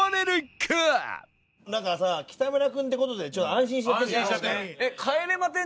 なんかさ北村君って事でちょっと安心しちゃってるよね。